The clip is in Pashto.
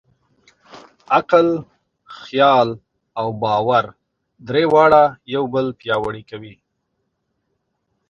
عقل، خیال او باور؛ درې واړه یو بل پیاوړي کوي.